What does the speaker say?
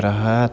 udah sih rahat